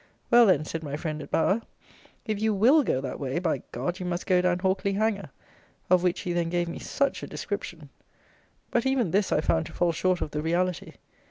"Well, then," said my friend at Bower, "if you will go that way, by G , you must go down Hawkley Hanger;" of which he then gave me such a description! But, even this I found to fall short of the reality.